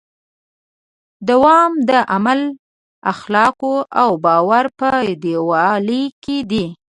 دوام د عقل، اخلاقو او باور په یووالي کې دی.